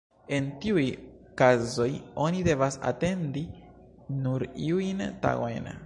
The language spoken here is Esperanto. En iuj kazoj oni devas atendi nur iujn tagojn.